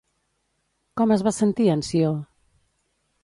Com es va sentir en Ció?